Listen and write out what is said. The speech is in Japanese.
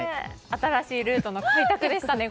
新しいルートの開拓でしたね